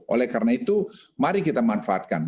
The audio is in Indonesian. oleh karena itu mari kita manfaatkan